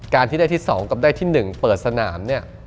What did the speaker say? การที่ได้ที่๒กับได้ที่๑เปิดสนาม